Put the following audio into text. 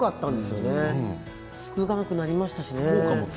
それが少なくなりましたよね。